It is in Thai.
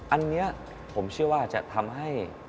อันนี้ผมเชื่อว่าจะทำให้